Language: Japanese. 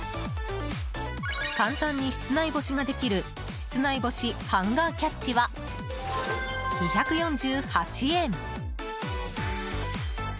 簡単に室内干しができる室内干しハンガーキャッチは２４８円。